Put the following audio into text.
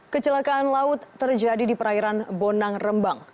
kecelakaan laut terjadi di perairan bonang rembang